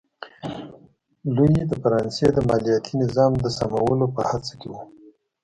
لويي د فرانسې د مالیاتي نظام د سمولو په هڅه کې و.